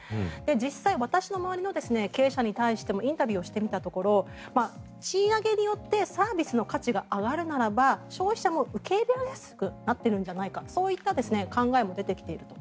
実際私の周りの経営者に対してもインタビューをしてみたところ賃上げによってサービスの価値が上がるならば消費者も受け入れやすくなっているんじゃないかそういった考えも出てきている。